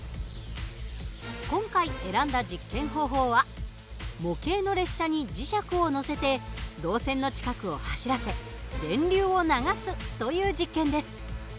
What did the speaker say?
今回選んだ実験方法は模型の列車に磁石を載せて導線の近くを走らせ電流を流すという実験です。